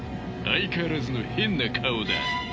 相変わらずの変な顔だ。